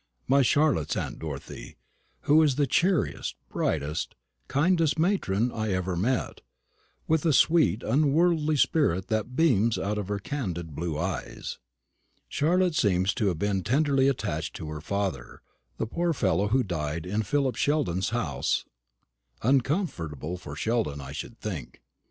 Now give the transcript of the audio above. my Charlotte's aunt Dorothy, who is the cheeriest, brightest, kindest matron I ever met, with a sweet unworldly spirit that beams out of her candid blue eyes. Charlotte seems to have been tenderly attached to her father, the poor fellow who died in Philip Sheldon's house uncomfortable for Sheldon, I should think.